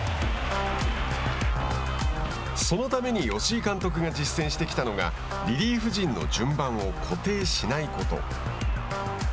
そのために吉井監督が実践してきたのがリリーフ陣の順番を固定しないこと。